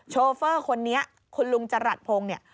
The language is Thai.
โชเฟอร์คนนี้คุณลุงจรัสพงศ์เนี่ย